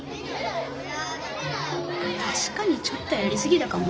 たしかにちょっとやりすぎたかもな。